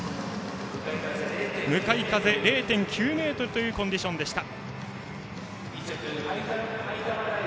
向かい風０．９メートルというコンディションでした。